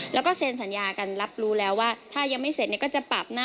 แล้วก็เซ็นสัญญากันรับรู้แล้วว่าถ้ายังไม่เสร็จก็จะปรับนะ